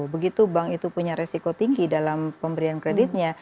begitu bank itu punya resiko tinggi dalam pemberian kreditnya